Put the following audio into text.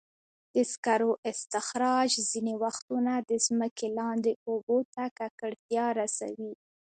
د سکرو استخراج ځینې وختونه د ځمکې لاندې اوبو ته ککړتیا رسوي.